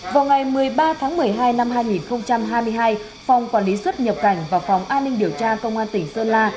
vào ngày một mươi ba tháng một mươi hai năm hai nghìn hai mươi hai phòng quản lý xuất nhập cảnh và phòng an ninh điều tra công an tỉnh sơn la